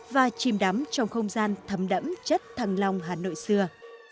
và chìm đắm trong không gian thấm đẫm chất thằng lòng hà nội xưa